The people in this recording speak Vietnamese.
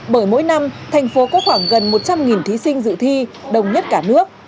bởi mỗi năm thành phố có khoảng gần một trăm linh thí sinh dự thi đông nhất cả nước